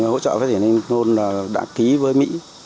hỗ trợ phát triển nông thôn đã ký với mỹ